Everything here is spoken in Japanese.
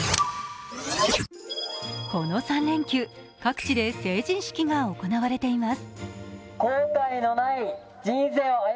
この３連休、各地で成人式が行われています。